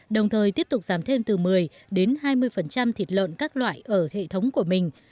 đồng thời tiếp tục giảm thêm từ một mươi đến hai mươi thịt lợn các loại ở hệ thống của mình